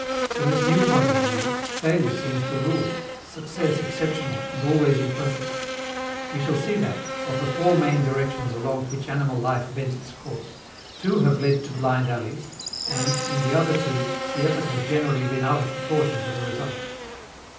From this new point of view, failure seems the rule, success exceptional and always imperfect. We shall see that, of the four main directions along which animal life bent its course, two have led to blind alleys, and, in the other two, the effort has generally been out of proportion to the result.